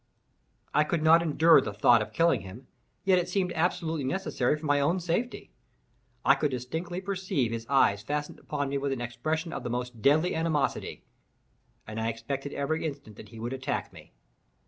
I could not endure the thought of killing him, yet it seemed absolutely necessary for my own safety. I could distinctly perceive his eyes fastened upon me with an expression of the most deadly animosity, and I expected every instant that he would attack me.